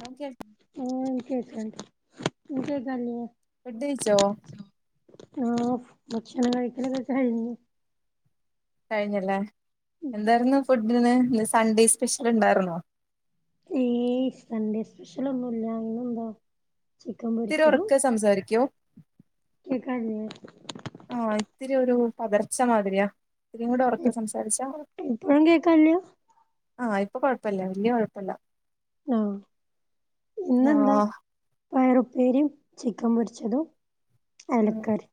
ന്നാ ഒക്കെ ആഹ് ഇൻക്ക് കേക്കാണ്ട് നിൻക്ക് കേക്കിൺല്ല്യേ? ഫുഡയിച്ചോ ആഹ് ഭക്ഷണം കഴികല്ലൊക്കെ കഴിഞ്ഞ് കഴിഞ്ഞല്ലേ എന്താരുന്നു ഫുഡിന്ന് സൺഡേ സ്പെഷ്യൽ ണ്ടായിരുന്നോ ഏയ് സൺഡേ സ്പെഷ്യൽ ഒന്നുംല്ല ന്നെന്താ ത്തിരി ഉറക്കെ സംസാരിക്കോ കേക്കാല്യേ ആഹ് ഇത്തിരിയൊരു പദർച്ച മാതിരിയാ ഇത്തിരിയും കൂടെ ഉറക്കെ സംസാരിച്ചാ ഇപ്പോഴും കേക്കാല്യാ ആഹ് ഇപ്പൊ കൊഴപ്പല്ല വല്യ കൊഴപ്പല്ല ആഹ് ഇന്നെന്താ ആഹ് പയറു ഉപ്പേരിം ചിക്കൻ പൊരിച്ചതും ഉമ് അയലക്കറിയും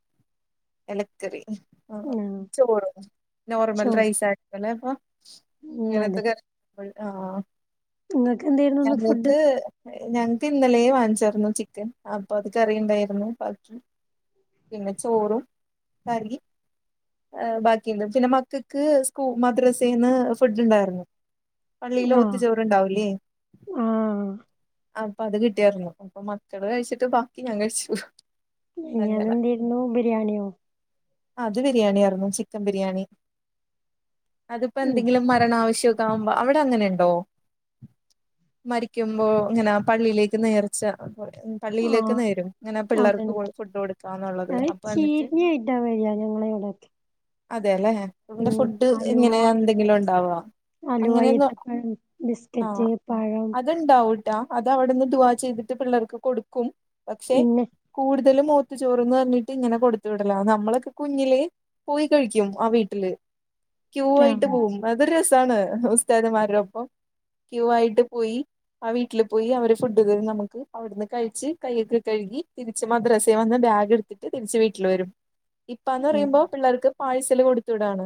എല ക്കറി ആ ചോറ് നോർമൽ ചോറും റൈസ ചെലപം ഉം ഇങ്ങനത്ത ആഹ് ങ്ങക്ക് എന്തേ ഞങ്ങക്ക് ഞങ്ങക്ക് ഇന്നലെയെ വാങ്ങിച്ചാരുന്നു ചിക്കൻ അപ്പൊ അത് കറിയുണ്ടായിരുന്നു പിന്ന ചോറും കറി ബാക്കിയണ്ട് പിന്നെ മക്കക്ക് സ്കൂ മദ്രസേൽന്ന് ഫുഡ് ഉണ്ടായിരുന്നു പള്ളിയിലോത്തു ചോറുണ്ടാവൂലേ ആഹ് അപ്പൊ അത് കിട്ടിയാരുന്നു അപ്പൊ മക്കള് കഴിച്ചിട്ട് ബാക്കി ഞാൻ കഴിച്ചു അങ്ങനെ അതെന്തേരുന്നു ബിരിയാണിയോ അത് ബിരിയാണിയായിരുന്നുു ചിക്കൻ ബിരിയാണി അതിപ്പോ ഉം എന്തെങ്കിലും മരണാവശ്യം [unintelligible] അവടെ അങ്ങനെണ്ടോ? മരിക്കുമ്പോ ഇങ്ങനെ പള്ളിയിലേക്ക് നേർച്ച [unintelligible] ആ പള്ളിയിലേക്ക് നേരും ഇങ്ങനെ അതെന്താ പിള്ളേർക്ക് ഫുഡ് കൊടുക്കാ എന്നുള്ളത് അപ്പൊ എന്നിട്ട് പറ്റെ വയ്യാഞ്ഞാൽ ഇങ്ങൾ എവിടെക്കി അതെല്ലെ ഇവടെ ഫുഡ് അലുവ എങ്ങനെയാ എന്തെങ്കിലുണ്ടാവോ? അലുവ, ഈത്തപ്പഴം, ബിസ്ക്കറ്റ്, പഴം ത്ണ്ടാവൂട്ടാ അത് അവടെന്ന് ദുവാ ചെയ്തിട്ട് പിള്ളേർക്ക് കൊടുക്കും പക്ഷെ പിന്നെ കൂടുതലും മൗത്ത് ചോറ്ന്ന് പറഞ്ഞിട്ട് ഇങ്ങനെ കൊടുത്തുവിടലാന്ന. നമ്മളൊക്കെ കുഞ്ഞില് പോയി കഴിക്കും ആ വീട്ടില് ക്യൂ ആയിട്ട് ആഹ് പോകും. അതൊരു രസാണ് ഉസ്താദുമാരുടോപ്പം ക്യൂ ആയിട്ട് പോയി ആ വീട്ടിൽ പോയി അവര് ഫുഡ്തരും നമുക്ക് അവ്ട്ന്ന് കഴിച്ച് കയ്യൊക്കെ കഴുകി തിരിച്ച് മദ്രസ വന്ന് ബാഗ് എടു ന്നിട്ട് തിരിച്ച് വീട്ടിൽ വരും ഇപ്പാന്ന് ആഹ് പറയുമ്പോ പിള്ളേർക്ക് പായ്സല് കൊടുത്ത് വിടാണ്.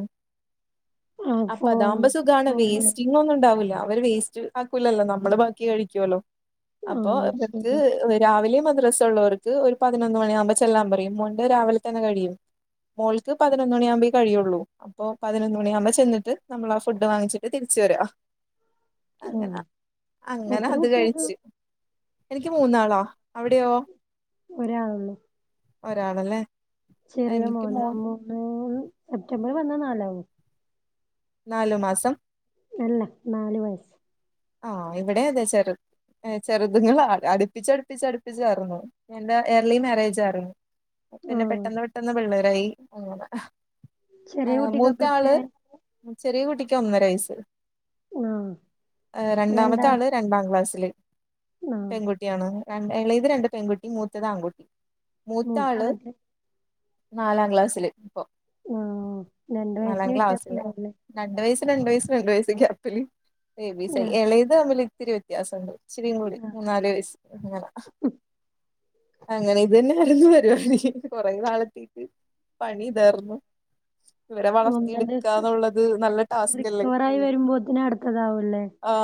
ആഹ് ഫോണ്ട് അപ്പതാവുമ്പോ സുഖാണ് ചോറല്ലേ വേസ്റ്റ് എന്ന് ഒന്നും ഉണ്ടാവുല അവര് വേസ്റ്റ് ആക്കൂലല്ലോ നമ്മള് ബാക്കി കഴിക്കോല്ലോ. അപ്പൊ ആഹ് വർക്ക് ശരിയാ [unintelligible] രാവിലെ മദ്രസള്ളോർക്ക് ഒരു പതിനൊന്ന് മണിയാകുമ്പോ ചെല്ലാ പറയും മോന്റെ രാവിലെ തന്നെ കഴിയും. മോൾക്ക് പതിനൊന്നണിയാവുമ്പഴേ കഴിയുള്ളൂ അപ്പൊ പതിനൊന്ന് മണിയാകുമ്പോ ചെന്നിട്ട് നമ്മളാ ഫുഡ് വാങ്ങിച്ചിട്ട് തിരിച്ച് വരാ. അങ്ങന ആഹ് അങ്ങനാ എത്ര അത് കുട്ടികള് കഴിച്ച്. എനിക്ക് മൂന്നാളാ അവിടെയോ ഒരാളൊള്ളൂ ഒരാളല്ലേ? ചെറിയ എനിക്ക് മോന മോൻ മൂന്ന് സെപ്റ്റംബർ വന്നാ നാലാവും. നാലു മാസം. അല്ല നാല് വയസ്സ്. ആ ഇവടെ അതെ ചെറു ഏ ചെറുതുങ്ങളാ അടുപ്പിച്ചടുപ്പിച്ച അടുപ്പിച്ചാർന്നു എന്റെ ഏർലി മാരേജായിരുന്നു. പിന്നെ ആഹ് പെട്ടന്ന് പെട്ടന്ന് പിള്ളേരായി ങ്ങനെ. ഏ ചെറിയ കുട്ടിക്കപ്പ മൂത്താള് എത്രയായി ചെറിയ കുട്ടിക്ക് ഒന്നര വയസ്സ്. ആഹ്. രണ്ടാമത്തെ രണ്ടാം ആള് രണ്ടാം ക്ലാസ്സില് ആഹ് പെൺകുട് കുട്ടിയാണ് എളെത് രണ്ട് പെൺകുട്ടി മൂത്തത് ആൺകുട്ടി മൂത്ത ആള് മൂത്താളെത്ര നാലാം ക്ലാസ്സില് ഇപ്പൊ. ആ രണ്ട് നാലാം വയസിന് വ്യത്യാസം ക്ലാസ്സില് ഉണ്ടാവുല്ലേ? രണ്ട് വയസ് രണ്ട് വയസ്സ് രണ്ട് വയസ്സ് ഗ്യാപ്പില്. ബേബീസ് ആഹ് എളെത് തമ്മിൽ ഇത്തിരി വ്യത്യാസംണ്ട് ഇച്ചിരിംകൂടി ആഹ് മൂന്നാല് വയസ്സ് അങ്ങന അങ്ങനെ ഇത് തന്നെ ആയിരുന്നു പരുപാടി കൊറെ നാളത്തേക്ക്. പണി താർന്നു ഇവരെ വളർത്തി ഒന്നണ്ട് ഇടുക്കാന്നുള്ളത് നല്ല ടാസ്ക് അല്ലേ? ആയി വരുമ്പോ പിന്നെ അടുത്തതാവുംല്ലേ? ആ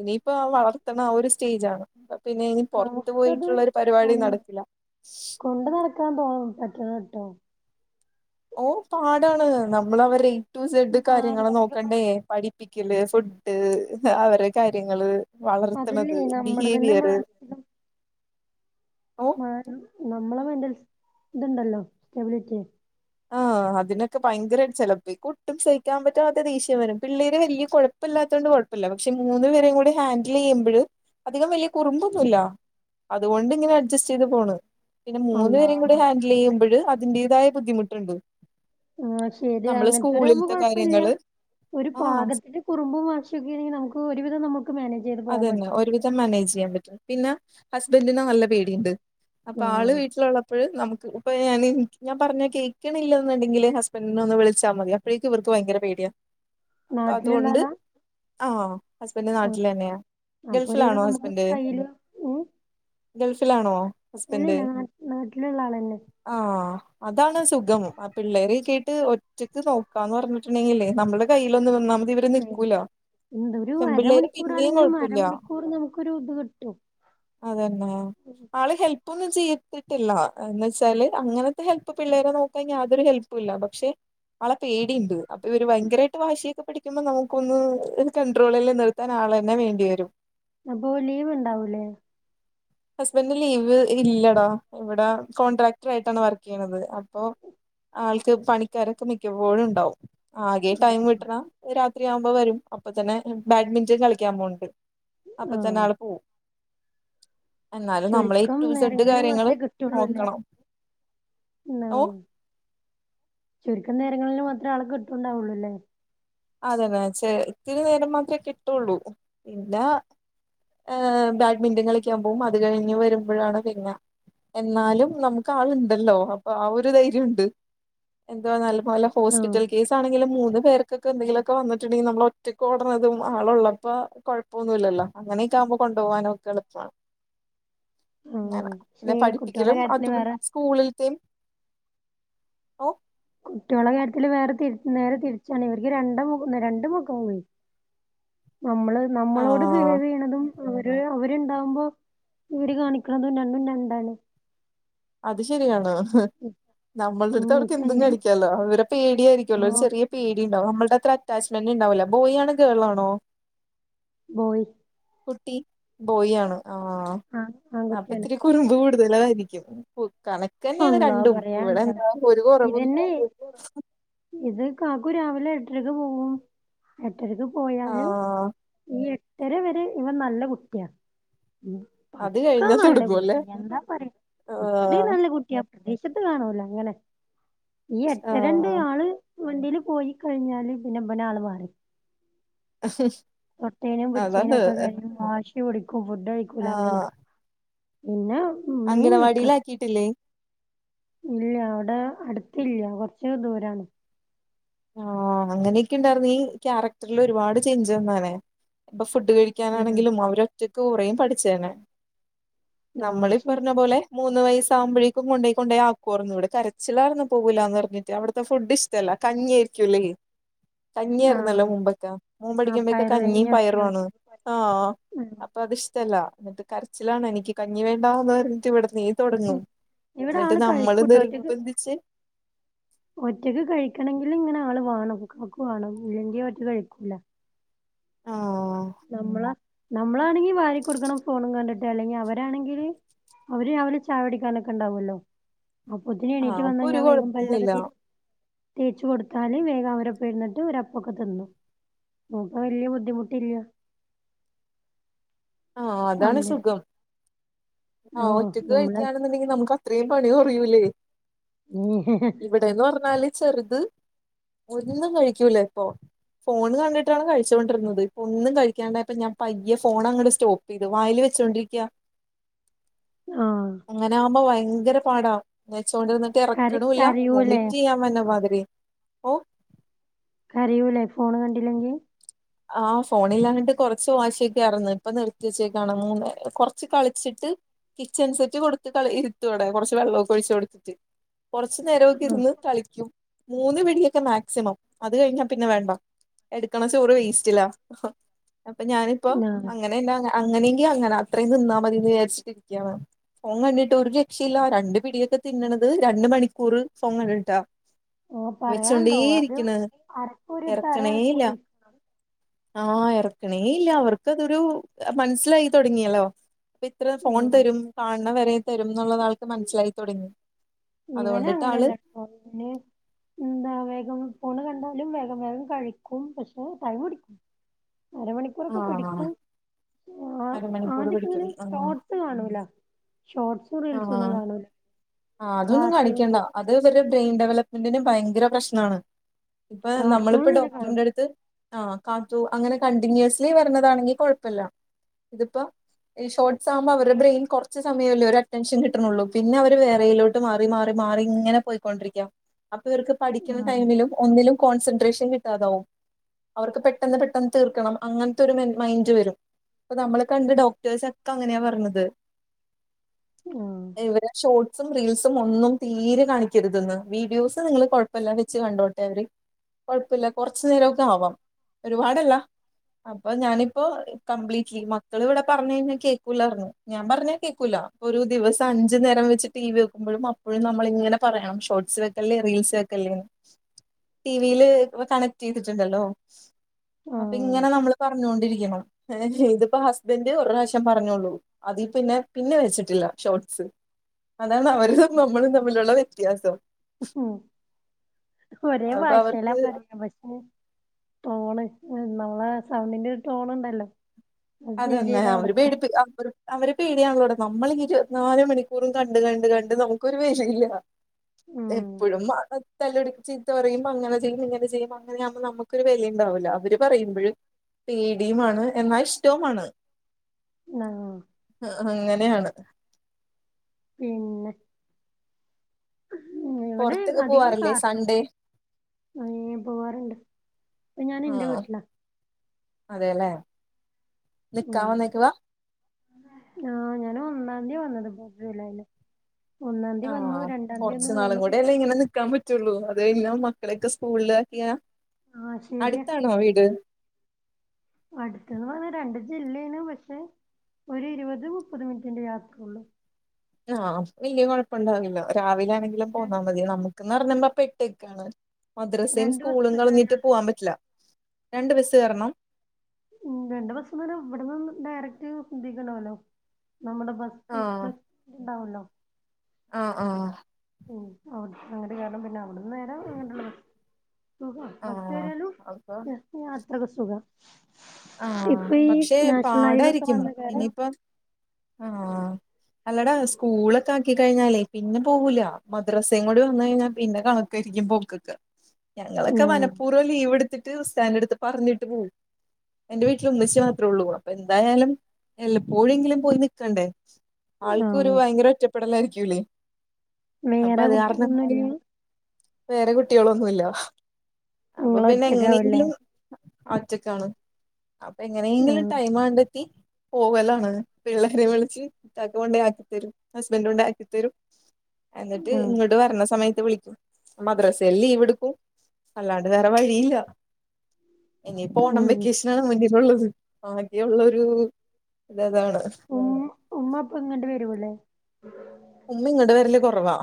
ഇനിപ്പൊ വളർത്തണ ആ ഒരു സ്റ്റേജാണ്. അപ്പ പിന്നെ ഇനി പൊറത്തു നമുക്കത് പോയിട്ടുള്ളൊരു പരിപാടി ഒന്ന് നടക്കില്ല. കൊണ്ട് നടക്കാൻ തോന്നും പറ്റണംട്ടോ. ഓ പാടാണ് നമ്മൾ അവർടെ എയ് ടു സെഡ് കാര്യങ്ങൾ മാനസിക സ നോക്കണ്ടേ പഠി പ്പിക്കല്, ഫുഡ്, അവരെ കാര്യങ്ങള് അതല്ലേ വളർത്ത്ണത്, നമ്മുടെ തന്നെ ബിഹേവിയറ് മാനസികം ഓ മാ നമ്മളെ മെന്റൽസ് ഇതുണ്ടല്ലോ സ്റ്റെബിലിറ്റി [inaudible] ആഹ് അതിനൊക്കെ ഭയങ്കരായിട്ട് ചെലപ്പി ഒട്ടും സഹിക്കാൻ പറ്റാത്ത ദേഷ്യം വരും പിള്ളേര് വല്യ കൊയ പ്പല്ലാതോണ്ട് കൊഴപ്പല്ല പക്ഷെ മൂന്ന്പേരേംകൂടി ഹാൻഡില് ചെയ്യുമ്പഴ് അധികം വലിയ കുറുമ്പൊന്നുല്ല. അതുകൊണ്ട് ഇങ്ങനെ അഡ്ജസ്റ്റ് ചെയ്ത് പോണ്. പിന്നെ മൂന്ന് പേരെയും കൂടെ അള്ളാഹ് ഹാൻഡിൽ ചെയ്യുമ്പോൾ അതിന്റേതായ ബുദ്ധിമുട്ടുണ്ട്. ആഹ് ശരിയാ നമ്മള് അങ്ങൻത്തരാവുമ്പോ സ്കൂളിലത്തെ കൊഴപ്പല്ലൃ കാര്യങ്ങള് ഒരു ആഹ് പാകത്തിന്. കുറുമ്പും വാശിക്കോണെങ്കിൽ നമുക്ക് ഒരുവിധം നമുക്ക് മാനേജ് ചെയ്ത് പോകാൻ അതന്നെ പറ്റും ഒരുവിധം മാനേജ് ചെയ്യാൻ പറ്റും പിന്നെ ഹസ്ബൻറ്റിനെ നല്ല പേടിയുണ്ട്. അപ്പോ ആള് ആഹ് വീട്ടിലുള്ളപ്പഴ് നമുക്ക്. ഇപ്പൊ ഞാൻ ഞാൻ പറഞ്ഞ കേക്ക്ണില്ലാന്നുണ്ടെങ്കിൽ ഹസ്ബൻറിനെ ഒന്ന് വിളിച്ചാമതി അപ്പോഴേക്കും ഇവർക്ക് ഭയങ്കര പേടിയാ. [inaudible] അപ്പൊ അതുകൊണ്ട് ആളാ ആഹ് ഹസ്ബന്റ്. ആഹ് ലെനെ അപ്പൊ ഒരുവിധം ഗൾഫിലാണോ നമുക്ക് ഹസ്ബൻഡ് കയ്യില് ഗൾഫിലാണോ. ഇല്ലില്ല നാ നാട്ടിലുള്ള ആളന്നെ. ആഹ് അതാണ് സുഖം പിള്ളേരൊക്കായിട്ട്. റ്റക്ക് നോക്കാന്ന് പറഞ്ഞിട്ടുണ്ടെങ്കിലേ നമ്മുടെ കൈയിൽ ഒന്ന് വന്നാൽ മതി ഇന്ന് നിക്കൂല എന്തൊരു പെമ്പിള്ളേര്. പിന്നേയും അരമണിക്കൂറാണെങ്കിലും കൊഴപ്പല്ലൃ അരമണിക്കൂർ നമുക്കൊരു ഇത് കിട്ടും അതന്നെ. ആള് ഹെല്പ് ഒന്നും ചെയ്തിട്ടില്ല എന്ന് വെച്ചാല് അങ്ങനത്തെ ഹെല്പ് പിള്ളേരെ നോക്കുയ്ഞോൽ അതൊരു ഹെല്പ്. [unintelligible] പക്ഷേ. ആളെ പേടിണ്ട് അപ്പൊ ഇവര് ഭയങ്കരായിട്ട് വാശിയൊക്കെ പിടിക്കുമ്പോ നമുക്കൊന്ന് കണ്ട്രോളില് നിറ് വേറെ ആളന്നെ വേണ്ടിവരും. അപ്പൊ ലീവ്ണ്ടാവൂലേ ഹസ്ബന്റിന് ലീവ് ഇല്ലടാ ഇവടെ കോൺട്രാക്ടർ ആയിട്ടാണ് വർക്ക് ചെയ്യണത് അപ്പൊ. ആൾക്ക് പണിക്കാരൊക്കെ മിക്കപ്പോഴുണ്ടാവും ആകെ ടൈം കിട്ടണ രാത്രിയാവുമ്പോ വരും അപ്പൊതന്നെ ബാഡ്മിന്റൺ കളിക്കാൻ പോവ്ണ്ട്. അപ്പൊ തന്നെ ആഹ് ആള് പോവും. എന്നാലും നമ്മളെ എ ചുരുക്കം ടു സെഡ് നേരങ്ങളിൽ കാര്യങ്ങള് മാത്രേ കിട്ടുള്ളൂല്ലേ. നോക്കണം ഉ ഓ ആഹ് ചുരുക്കം നേരങ്ങളിൽ മാത്രേ ആളെ കിട്ടുണ്ടാവുള്ളൂല്ലേ. അതെന്നാച്ച ഇത്തിരി നേരം മാത്രേ കിട്ടുള്ളൂ ഇല്ലാ- ആഹ് ബാഡ്മിന്റൺ കളിക്കാൻ പോകും അത് കഴിഞ്ഞ് വരുമ്പോഴാണ് തിന്ന. എന്നാലും നമുക്ക് ആള്ണ്ടല്ലോ അപ്പൊ ആ ഒരു ധൈര്യണ്ട് എന്താ നല്ല പോലെ. ആഹ് ഹോസ്പിറ്റൽ കേസ്. ആണെങ്കിൽ മൂന്ന് പേർക്കൊക്കെ എന്തെങ്കിലുക്കെ വന്നിട്ടുണ്ടെങ്കിൽ നമ്മൾ ഒറ്റക്ക് ഓടുന്നതും ആള് ഉള്ളപ്പോ കെഴപ്പെന്നുല്ലല്ലോ അങ്ങനൊക്കെ ആകുമ്പോ കൊണ്ടോവാനൊക്കെ എളുപ്പാണ്. അങ്ങന പക്ഷേ എന്നെ ഈ കുട്ടികളെ പഠിപ്പിക്കലും കാര്യത്തില് അത വേറെ സ്കൂളിലത്തെയും ഓ കുട്ടൃളെ കാര്യത്തില് വേറെ തി നേരെ തിരിച്ചാണ് ഇവർക്ക് രണ്ട് മുഖം രണ്ട് മുഖം ഉണ്ട് നമ്മള് ആ നമ്മളോട് ബിഹേവ്യ്യ്ണതും. അവര് അവരുണ്ടാവുമ്പോ ഇവര് കാണിക്കണതും രണ്ടും രണ്ടാണ്. അത് ശരിയാണോ നമ്മുടെ ഉം അടുത്ത് അവർക്ക് ഇപ്പ എന്തും എന്റെ കളിക്കാലോ അവരെ പേടിയായിരിക്കല്ലോ ഒരു മോ ചെറിയ പേടിണ്ടാവും നമ്മള്ടെ അത്ര അറ്റാച്ച്മെന്റ്ണ്ടാവൂല ബോയി ആണോ ഗേൾ ആണോ. ബോയി കുട്ടി ബോയി ആണ് ആ- ആഹ് ആൺ കുട്ടിയാണ്. കുറുമ്പ് കൂടുതലായിരിക്കും കണക്ക് ന്നെയാണ് അള്ളാ രണ്ടും ഇവടെ എന്താ ഒരു കുറവുല്ല. ഏ [unintelligible] ഇത് കാക്കു രാവിലെ എട്ടരക്ക് പോകും എട്ടരക്ക് പോയാല്. ആഹ് ഈ എട്ടരവരെ ഇവൻ നല്ല കുട്ടിയാ. അത് പക്ക കഴിഞ്ഞാ തുടങ്ങുവല്ലേ നല്ലകുട്ടി എന്താ പറയ ഇത്രയും ആഹ് നല്ലകുട്ടി. എ പ്രദേശത്ത് കാണൂല അങ്ങനെ ഈ എട്ടരന്റെ ആഹ് ആള്. വണ്ടീല് പോയി കഴിഞ്ഞാല് പിന്നെ ഇബൻ ആള് മാറി. അഹും തൊട്ടേനും പിടിച്ചേനും ഒക്കെ കരഞ് വാശി പിടിക്കും ഫുഡ് കഴിക്കൂല അങ്ങനെ. ആഹ് പിന്നെ ഉമ്മേം വിക്രസ് അംഗനവാടിയിലാക്കിയിട്ടില്ലേ ഇല്ല അവിടെ അടുത്തില്ല കൊറച്ച് ദൂരാണ് ആഹ് അങ്ങനെയൊക്കെ ഉണ്ടായിരുന്നേങ്ങി ഈ ക്യാരക്ടറിൽ ഒരുപാട് ചേഞ്ച് വന്നേനെ അപ്പോ ഫുഡ് കഴി ക്കാനാണെങ്കിലും അവര് ഒറ്റക്ക് കൊറേം പഠിച്ചേനെ ആ നമ്മള് ശരി ഇപറഞ്ഞ പോലെ മൂന്ന് വയസ്സ് ആകുമ്പോഴേക്കും കൊണ്ടോയി കൊണ്ടോയി ആക്കുവാർന്നു ഇവിടെ കരച്ചിലായിരുന്നു പോവുല്ലാന്ന് പറഞ്ഞിട്ട് അവിടുത്തെ ഫുഡ് ഇഷ് ടല്ല കഞ്ഞിരിക്കുല്ലേ കഞ്ഞിയാർന്നല്ലോ ആഹ് മുമ്പൊക്കെ മോൻ ആ പഠിക്കുമ്പോക്കെ പയറ് കഞ്ഞിം പയറും കഞ്ഞിയൊക്കെയോ ആണ് അപ്പോ അത് ഇഷ്ടല്ല എന്നിട്ട് കരച്ചിലാണ് എനിക്ക് കഞ്ഞി വേണ്ടാന്ന് പറഞ്ഞിട്ട് ഇവിടന്നേ തോടങ്ങും ഇവിടെ എന്നിട്ട് ആള് നമ്മള് കഴിക്കൂട്ടോ ഒറ്റക്ക് നിർബന്ധിച്ച് ഒറ്റക്ക് കഴിക്കണെങ്കില് ഇങ്ങനെ ആള് വേണം മക്കക്ക് വേണം ഇല്ലെങ്കിൽ ഒറ്റക്ക് കഴിക്കൂല ആഹ് നമ്മളാ നമ്മളാണെങ്കില് വാരി കൊടുക്കണം ഫോണും കണ്ടിട്ട് അല്ലെങ്കി അവരാണെങ്കില് അവര് രാവിലെ ചായ കുടിക്കാനൊക്കെ ഉണ്ടാവല്ലോ അപ്പോത്തിന് എണീറ്റ് ആഹ് വന്നാ അപ്പൊ ഒരു ഞാൻ വേഗം പല്ലോക്കെ കൊഴപ്പവുമില്ല തേച്ച് തേച്ച് കൊടുത്താല് വേഗം അവരോപ്പ ഇരിന്നിട്ട് ഇവരോപ്പൊക്കെ തിന്നു നമുക്ക് വല്യ ബുദ്ധിമുട്ടില്ല ആഹ് അതാണ് അങ്ങനെ സുഖം ആഹ് ഒറ്റക്ക് കഴിക്കാന്നുണ്ടെങ്കില് നമുക്ക് അത്രയും പണി കൊറയൂലേ [unintelligible] ഇവിടേന്ന് പറഞ്ഞാല് ചെറുത് ഒന്നും കഴിക്കൂല ഇപ്പോ ഫോണ് കണ്ടിട്ടാണ് കഴിച്ചുകൊണ്ടിരുന്നത് ഒന്നും കഴിക്കണ്ടായപ്പോ ഞാൻ പയ്യേ ഫോണ് അങ്ങ്ട് സ്റ്റോപ്പേയ്തു വായേല് വേച്ചോണ്ടിരിക്ക ആഹ് അങ്ങനെ ആകുമ്പോ ഭയങ്കര പാടാ എന്നേച്ച് ഇവടെണ്ടിരുന്ന് ഇത് കര എറക്കണുല്ല കരയൂലേ വോമിറ്റ് ചെയ്യാൻ വന്ന മാതിരി ഓ കരയൂലേ ഫോണ് കണ്ടില്ലെങ്കി ആഹ് ഫോണിലാഞ്ഞിട്ട് കൊറച്ച് വാശിയോക്കെ ആയിരുന്നു ഇപ്പോ നിർത്തി വെച്ചേക്കാണ് മൂന്ന് കൊറച്ച് കളിച്ചിട്ട് കിച്ചൺ സെറ്റ് കൊടുത്ത് കളി ഇരുത്തു അവിടെ കൊറച്ച് വെള്ളോക്കെ ഒഴിച്ച് കൊടുത്തിട്ട് കൊറച്ച് നേരൊക്കെ ആഹ് ഇരുന്ന് കളിക്കും മൂന്ന് പിടിയൊക്കെ മാക്സിമം അത് കഴിഞ്ഞാൽ പിന്നെ വേണ്ട എടുക്കണ ചോറ് വെ സ്റ്റിലാ അപ്പോ ഞാനിപ്പോ ആഹ് അങ്ങ [unintelligible] അങ്ങനെങ്കി അങ്ങന അത്രയും തിന്നാൽ മതിന്ന് വിചാരിച്ചിട്ട് ഇരിക്കാണ് ഫോൺ കണ്ടിട്ട് ഒരു രക്ഷയില്ല രണ്ട് പിടിയൊക്കെ തിന്നണത് രണ്ട് മണിക്കൂറ് ഫോൺ കണ്ടിട്ടാ ഓഹ് വെച്ചോണ്ടേ പറയാണ്ടോ ഒരു ഇരിക്കുണ് അരക്കൂറി എടുത്ത എറക്കണേ അരമണിക്കൂർ ഇല്ല ഇരിക്കും ആഹ് ഇറക്കണേ ഇല്ല അവർക്കതൊരു മനസ്സിലായി തോടങ്ങിയല്ലോ അപ്പോ ഇത്ര ഫോൺ ആഹ് തരും കാണണ വരെ തരും എന്നുള്ളത് ആൾക്ക് മനസ്സിലായി തൊടങ്ങി ഇവന് അതുകൊണ്ടിട്ട് ആള് അങ്ങനന്ന [unintelligible] എന്താ വേഗം ഫോണ് കണ്ടാലും വേഗം വേഗം കഴിക്കും പക്ഷേ ടൈം പിടിക്കും അര മണിക്കൂറൊക്കെ ആഹ് പിടിക്കും അ അരമണിക്കൂർ ആദ്യക്കെ ഇങ്ങനെ പിടിക്കും ഷോ ആഹ് ട് കാണൂ ഷോർട്സും റീൽസും ആഹ് ഒന്നും കാണൂല്ല ആഹ് അതൊന്നും കാണിക്കണ്ട അത് ഇവരെ ബ്രെയിൻ ഡെവലപ്മെന്റിന് ഭയങ്കര പ്രശ്നാണ് ഇപ്പം കാർട്ടൂൺ നമ്മളിപ്പ ഇങ്ങനെ കാണും ഡോക്ടറിന്റെടുത്ത് ആഹ് കാത്തു അങ്ങനെ കണ്ടിന്യൂസ്ലിലി വരണതാണെങ്കി കൊഴപ്പല്ല ഇതിപ്പോ ഈ ഷോർട്ട്സ് ആകുമ്പോ അവരെ ബ്രെയിൻ കൊറച്ച് സമയോല്ലേ ഒരോ റ്റെൻഷൻ കിട്ടള്ളൂ പിന്നെ അവര് വേറെയിലോട്ട് മാറി മാറി മാറി ഇങ്ങനെ പോയിക്കൊണ്ടിരിക്ക അപ്പോ ഇവർക്ക് പഠിക്കുണാ ആഹ് ടൈമിലും ഒന്നിലും കോൺസെൻട്രേഷൻ കിട്ടാതാവും അവർക്ക് പെട്ടെന്ന് പെട്ടെന്ന് തീർക്കണം അങ്ങനത്തൊരു മൈൻഡ് വരും ഇപ്പോ നമ്മള് കണ്ട ഡോക്ടേഴ്സോക്കെ അങ്ങനെയാ പറഞ്ഞത് ഉം ഇവരെ ഷോർട്സും റീൽസും ഒന്നും തീരെ കാണിക്കരുതെന്ന് വീഡിയോസ് നിങ്ങള് കൊഴപ്പോ എല്ലാ വെച്ച് കണ്ടോട്ടവര് കൊഴപ്പല്ല കൊറച്ചുനേരൊക്കാവാം ഒരുപാടല്ല അപ്പൊ ഞാനിപ്പോ കംപ്ലീറ്റ്ലി മക്കൾ ഇവിടെ പറഞ്ഞഴിഞ്ഞാ കേക്കൂലാർന്നു ഞാൻ പറഞ്ഞ കേക്കൂല. ഒരു ദിവസ അഞ്ചു നേരം വെച്ച് ടി വി വെക്കുമ്പോഴും അപ്പോഴും നമ്മളിങ്ങനെ പറയണം ഷോട്സ് വെക്കല്ലേ റീൽസ് വെക്കല്ലെന്ന് ടി വീ ല് കണക്ട് ചെയ്തിട്ടുണ്ടല്ലോ അപ്പൊ ആഹ് ഇങ്ങനെ നമ്മൾ പറഞ്ഞോണ്ടിരിക്കണം ഇതിപ്പോ ഹസ്ബൻ്റ് ഒരു പ്രാശ്യം പറഞ്ഞോള്ളൂ അതി പിന്നെ പിന്നെ വെച്ചി ട്ടില്ല ഷോട്സ് അതാണ് അവര് നമ്മളും തമ്മിലുള്ള വ്യത്യാസം ആഹ് ഒരേ അപ്പൊ ഭാഷയിലാ അവർക്ക് പറയാ പക്ഷെ ടോണ് മ്മളെ സൗണ്ടിന്റെ ഒരു ടോൺണ്ടല്ലോ. അതന്നേ അവരു പേടിപ്പിക്ക് അവര് അവരെ പേടിയാണല്ലോട നമ്മളഞ്ഞിരുപത്ത്നാല് മണിക്കൂറും കണ്ട് കണ്ട് കണ്ട് നമുക്കൊരു വേലയില്ല ഉം എപ്പോഴും അഹ് തല്ലൂടി ചീത്ത പറയുമ്പൊങ്ങനെ ചെയ്യും ഇങ്ങനെ ചെയ്യും അ അങ്ങനെയാകുമ്പോ നമ്മുക്കൊരു വെലയുണ്ടാവൂലൊ അവര് പറയുമ്പഴ് പേടിയുമാണ് എന്നാശ് റ്റൊമാണ് ണാഹ് ആഹ് അങ്ങനെയാണ്. പിന്നെ ഉം ഇവിടെ പൊറത്തൊക്കെ അധികം പോവാറില്ലേ കാർട്ടൂൺ സൺഡേ ഉം പോവാറുണ്ട് ഇപ്പൊ ഞാനിന്റെ വീട്ടിലാ അതേല്ലേ നിക്കാ ഉം വന്നേക്കുവാ ആഹ് ഞാനൊന്നദ്യ വന്നത് ഇപ്പൊ ജൂലൈയില് ഒന്നാന്തി വന്നു രണ്ടാദ്യൊന്ന് വീണു. ത്തിങ്ങനെ നിക്കാ പറ്റ് റ്റൊള്ളൂ അതഴിഞ്ഞ മക്കളൊക്കെ സ്കൂളിലാക്കിയാ ആഹ് ശരിയാ അടുത്താണോ വീട് അടുത്ത്ന്ന് പറഞ്ഞ രണ്ട് ജില്ലേണ് പക്ഷെ ഒരു ഇരുപത് മുപ്പത് മിനിറ്റിന്റെ യാത്രൊള്ളു. ആഹ് അപ്പോ വല്ല്യ കൊഴപ്പുണ്ടാവില്ല രാവിലെ ആണെങ്കിലും പോന്നാ മതി നമുക്ക്ന്നറഞ്ഞ മ്മ പെട്ട്ക്കാണ് മദ്രസയും രണ്ട് ബസ് സ്കൂളും കളഞ്ഞിട്ട് കയറിയാലേ പോവാൻ ഉള്ളൂ. പറ്റില്ല രണ്ട് ബസ്സ് കേറണം? ഉം രണ്ട് ബസ്സ്ന്നറഞ്ഞ ഇവ്വിടുന്ന് ഡയറക്റ്റ് സിദീക്കുണ്ടാവല്ലോ നമ്മുടെ ബസ് സ് ആഹ് ബസ് ഇണ്ടാവൊല്ലോ ആഹ് ആഹ് ഉം ആഹ് അങ്ങട്ട് കേറണം അവ്ടുന്നേരേ ഇങ്ങട്ട്ള്ളെ ബസ് സുഖ ആഹ് ബസ്സേറിയാലും അപ്പൊ എസ്റ്റ് യാത്രൊക്കെ സുഖ ആഹ് പക്ഷെ നാഷണൽ ഹൈവേ ഒക്കെ പാടായിരിക്കും വന്ന കാരണം ഇനിയിപ്പം ആഹ് അല്ലടാ സ്കൂളൊക്കെ ആക്കി കഴിഞ്ഞാലേ പിന്നെ പോകൂല മദ്രസയും കൂടെ വന്നഴിഞ്ഞാൽ പിന്നെ കണ ക്കരിക്കും പോക്കൊക്കെ. ഞങ്ങളൊക്കെ ആഹ് മനപൂർവ്വം ലീവ് എടുത്തിട്ട് ഉസ്താൻ്റെടുത്ത് പറഞ്ഞിട്ട് പോവും. എന്റെ വീട്ടില് ഉമ്മച്ചി മാത്രേ ഉള്ളൂ അപ്പൊ എന്തായാലും എല്ലപ്പോഴെങ്കിലും പോയി നിക്കണ്ടേ. ആൾക്കൊരു ആഹ് വയങ്കര ഒറ്റപ്പെടലായിരിക്കൂല്ലേ വേറെ കുട്ടികളൊന്നുല്ല വേറെ കുട്ടികളൊന്നുല്ല അപ്പൊ നിങ്ങള് പിന്നെ ഒറ്റക്കാവല്ലേ എങ്ങനെങ്കിലും ഒറ്റക്കാണ് അപ്പൊ എങ്ങനെയെങ്കിലും ആഹ് ടൈം കണ്ടെത്തി പോവലാണ് പിള്ളേരെ വിളിച്ച് ഇക്കാക്ക കൊണ്ടാക്കിത്തരും ഹസ്ബൻ്റ് കൊണ്ടാക്കിത്തരും. എന്നിട്ട് ആഹ് ഇങ്ങട്ട് വരണ സമയത്ത് വിളിക്കും. മദ്രസയിൽ ലീവെടുക്കും അല്ലാണ്ട് വേറെ വഴിയില്ല ഇനിയിപ്പോ ഓണം ഉം വെക്കേഷനാണ് മുന്നിലുള്ളത് ആകെയുള്ളൊരു ത താണ് ഉമ് ഉമ്മപ്പോ ഇങ്ങട്ട് വരൂല്ലേ ഉമ്മി ങ്ങ്ട്ട് വരല് കൊറവാ